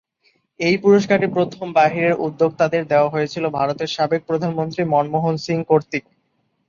এই পুরস্কারটি প্রথম বাইরের উদ্যোক্তাদের দেওয়া হয়েছিল ভারতের সাবেক প্রধানমন্ত্রী মনমোহন সিং কর্তৃক।